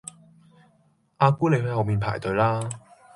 阿姑你去後面排隊啦